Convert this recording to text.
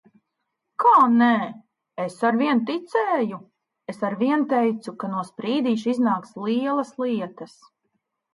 Kā nē? Es arvien ticēju! Es arvien teicu, ka no Sprīdīša iznāks lielas lietas.